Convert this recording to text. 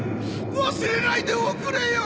忘れないでおくれよお！